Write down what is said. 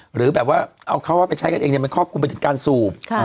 หรือแบบว่าเอาเขาว่าไปใช้กันเองมันครอบคลุมไปถึงการสูบ